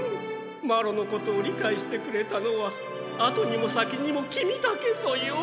マロのことをりかいしてくれたのは後にも先にもキミだけぞよ。